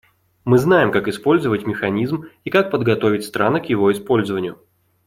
Мы знаем, как использовать механизм и как подготовить страны к его использованию.